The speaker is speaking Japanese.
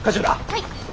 はい。